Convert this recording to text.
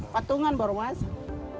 patungan baru masak